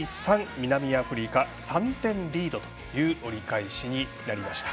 南アフリカが３点リードという折り返しになりました。